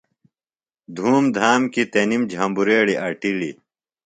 دُھوم دھام کی تنِم جھبریڑیۡ اٹِلیۡ۔